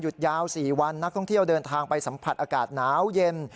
ยาว๔วันนักท่องเที่ยวเดินทางไปสัมผัสอากาศหนาวเย็น